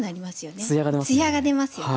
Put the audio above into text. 艶が出ますよね。